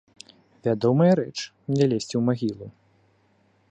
Вядомая рэч, не лезці ў магілу.